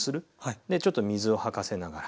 でちょっと水をはかせながら。